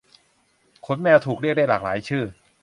ขนแมวถูกเรียกได้หลากหลายชื่อ